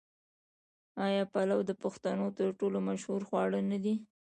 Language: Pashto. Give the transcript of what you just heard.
آیا پلو د پښتنو تر ټولو مشهور خواړه نه دي؟